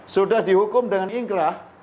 sudah dihukum dengan inkrah